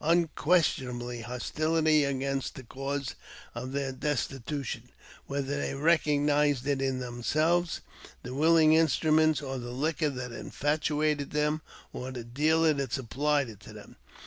Unquestionably hostility against the cause of this des titution, whether they recognize it in themselves, the willing instruments, or the liquor that infatuated them, or the dealer that supplied it to them.